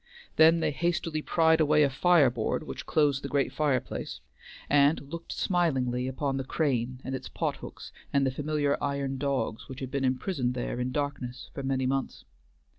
Then they hastily pried away a fireboard which closed the great fireplace, and looked smilingly upon the crane and its pothooks and the familiar iron dogs which had been imprisoned there in darkness for many months.